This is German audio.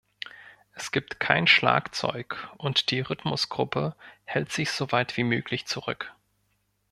Es gibt kein Schlagzeug, und die Rhythmusgruppe hält sich so weit wie möglich zurück.